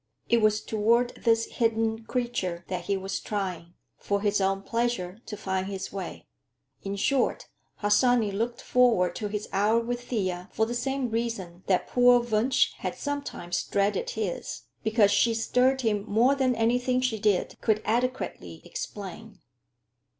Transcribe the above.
It was toward this hidden creature that he was trying, for his own pleasure, to find his way. In short, Harsanyi looked forward to his hour with Thea for the same reason that poor Wunsch had sometimes dreaded his; because she stirred him more than anything she did could adequately explain.